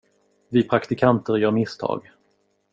Vi praktikanter gör misstag.